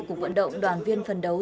cục vận động đoàn viên phân đấu